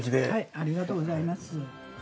ありがとうございます。